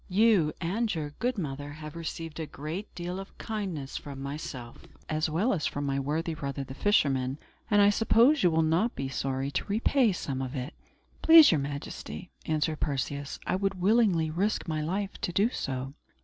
You and your good mother have received a great deal of kindness from myself, as well as from my worthy brother the fisherman, and I suppose you would not be sorry to repay some of it." "Please, Your Majesty," answered Perseus, "I would willingly risk my life to do so."